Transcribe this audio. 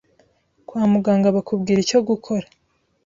kwa muganga bakubwira icyo gukora.